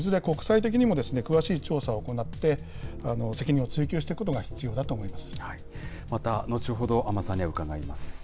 国際的にも、詳しい調査を行って、責任を追及していくことが必要だと思います。